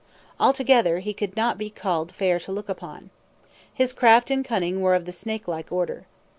Altogether, he could not be called fair to look upon. His craft and cunning were of the snake like order.